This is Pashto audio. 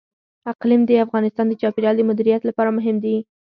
اقلیم د افغانستان د چاپیریال د مدیریت لپاره مهم دي.